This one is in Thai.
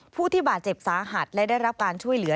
ผู้ที่บาดเจ็บสาหัสและได้รับการช่วยเหลือ